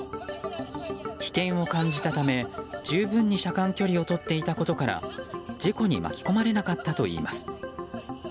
危険を感じたため十分に車間距離をとっていたことから事故に巻き込まれなかったといいます。